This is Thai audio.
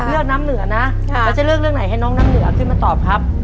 เลือกน้ำเหนือนะแล้วจะเลือกเรื่องไหนให้น้องน้ำเหนือขึ้นมาตอบครับ